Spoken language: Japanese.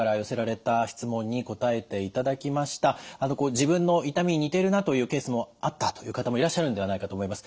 自分の痛みに似ているなというケースもあったという方もいらっしゃるんではないかと思います。